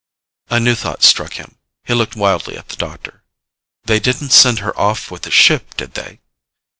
A new thought struck him. He looked wildly at the doctor. "They didn't send her off with the ship, did they?"